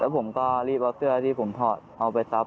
ผมก็รีบเอาเสื้อที่ผมถอดเอาไปซับ